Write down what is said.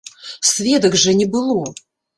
Сведак жа не было!